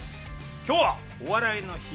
今日は「お笑いの日」